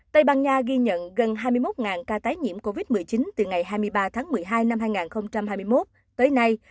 tây ban nha ghi nhận gần hai mươi một ca tái nhiễm covid một mươi chín từ ngày hai mươi ba tháng một mươi hai năm hai nghìn hai mươi một tới nay